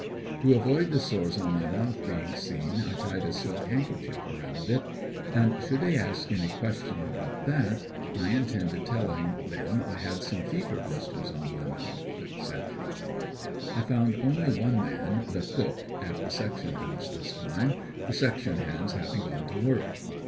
To avoid the sores on my mouth being seen I tied a silk handkerchief around it. And should they ask any questions about that, I intended telling them I had some fever blisters on my mouth, etc. I found only one man, the cook, at the Section house this time, the section hands having gone to work.